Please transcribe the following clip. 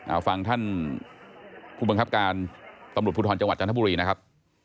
เอาฟังท่านผู้บังคับการตำรวจภูทรจังหวัดจันทบุรีนะครับ